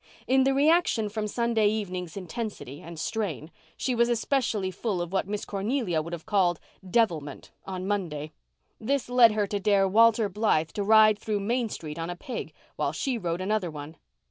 In the reaction from Sunday evening's intensity and strain she was especially full of what Miss Cornelia would have called "devilment" on Monday. This led her to dare Walter Blythe to ride through Main Street on a pig, while she rode another one.